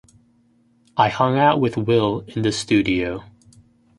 I hung out with Will in the studio.